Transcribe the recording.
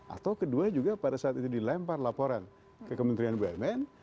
atau kedua juga pada saat itu dilempar laporan ke kementerian bumn